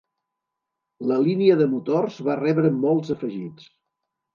La línia de motors va rebre molts afegits.